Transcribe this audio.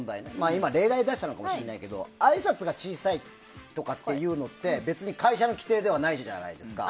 今、例題を出したのかもしれないけどあいさつが小さいとかっていうので別に会社の規定ではないじゃないですか。